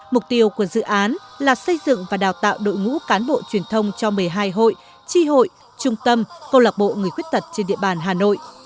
mục tiêu của dự án là xây dựng và đào tạo đội ngũ cán bộ truyền thông cho một mươi hai hội tri hội trung tâm câu lạc bộ người khuyết tật trên địa bàn hà nội